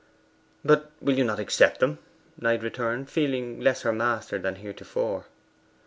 'But will you not accept them?' Knight returned, feeling less her master than heretofore.